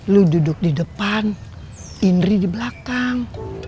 lu duduk di depan indri di belakang